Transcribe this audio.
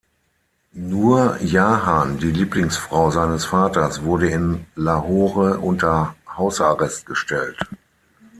Nur Jahan, die Lieblingsfrau seines Vaters, wurde in Lahore unter Hausarrest gestellt.